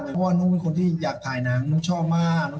เป็นคนที่สนุกมันขายน้ำคือน้องมาก